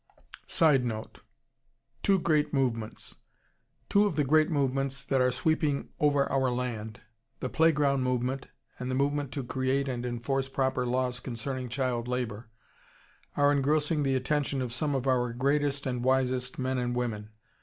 [Sidenote: Two great movements.] Two of the great movements that are sweeping over our land, the Playground movement and the movement to create and enforce proper laws concerning Child Labor, are engrossing the attention of some of our greatest and wisest men and women.